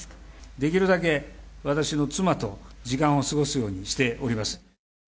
できるだけ私の妻と時間を過ごすようにしております。